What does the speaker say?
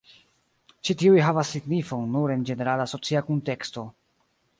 Ĉi tiuj havas signifon nur en ĝenerala socia kunteksto.